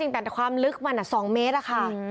แต่ความลึกมัน๒เมตร